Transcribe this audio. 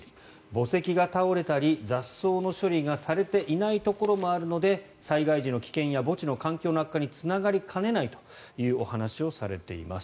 墓石が倒れたり雑草の処理がされていないところもあるので災害時の危険や墓地の環境の悪化につながりかねないというお話をされています。